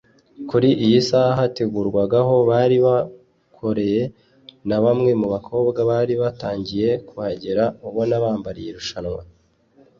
kuri iyi saha hategurwaga aho bari bukorere na bamwe mu bakobwa bari batangiye kuhagera ubona bambariye irushanwa